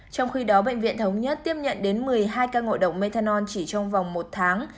trong khi đó bệnh viện thống nhất tiếp nhận đến một mươi hai ca ngộ độc methanol chỉ trong vòng một tháng